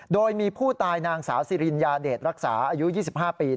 โดยมีผู้ตายนางสาวสิริญญาเดชรักษาอายุ๒๕ปี